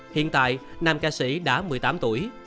hiện tại nam ca sĩ đã một mươi tám tuổi